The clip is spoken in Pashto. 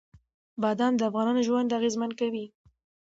بادام د افغانانو ژوند اغېزمن کوي.